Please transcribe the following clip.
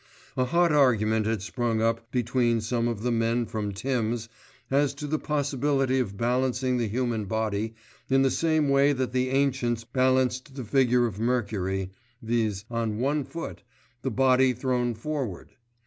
A hot argument had sprung up between some of the men from "Tim's" as to the possibility of balancing the human body in the same way that the ancients balanced the figure of Mercury, viz. on one foot, the body thrown forward.